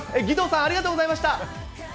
義堂さん、ありがとうございました。